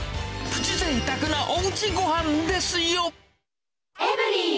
プチぜいたくなおうちごはんですよ。